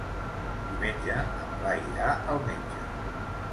Diumenge en Blai irà al metge.